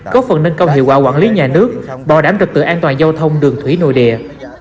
có phần nâng cao hiệu quả quản lý nhà nước bảo đảm trực tự an toàn giao thông đường thủy nội địa